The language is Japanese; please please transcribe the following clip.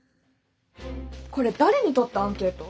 これ誰にとったアンケート？